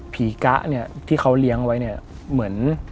กะเนี่ยที่เขาเลี้ยงไว้เนี่ยเหมือน